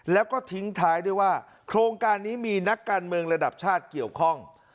แล้วก็ทิ้งท้ายด้วยว่าโครงการนี้มีนักการเมืองระดับชาติเกี่ยวข้อง